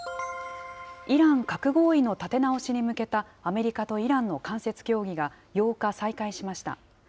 イラン核合意の立て直しに向けたアメリカとイランの間接協議が８日、再開しました。